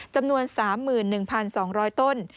จำนวน๓๑๒๐๐ต้น